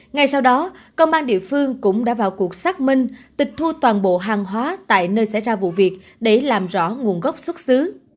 ngay sau đó công an địa phương cũng đã vào cuộc xác minh tịch thu toàn bộ hàng hóa tại nơi xảy ra vụ việc để làm rõ nguồn gốc xuất xứ